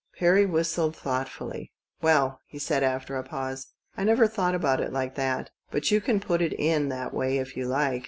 Perry whistled thoughtfully. " Well," he said, after a pause, " I never thought about it like that. But you can put it in that way if you like.